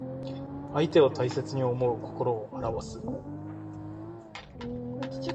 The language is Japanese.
相手を大切に思う心をあらわす語。